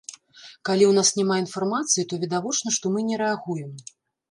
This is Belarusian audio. Калі ў нас няма інфармацыі, то відавочна, што мы не рэагуем.